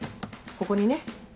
ここにね